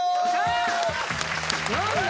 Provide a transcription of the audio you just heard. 何だ？